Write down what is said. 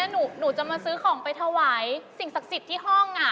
หนูจะมาซื้อของไปถวายสิ่งศักดิ์สิทธิ์ที่ห้อง